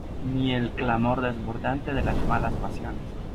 Ni el clamor desbordante de las malas pasiones.